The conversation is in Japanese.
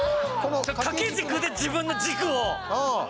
掛け軸で自分の軸をとる。